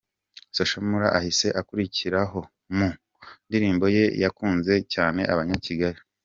Social Mula ahise akurikiraho mu ndirimbo ye yakunzwe cyane ’Abanyakigali’.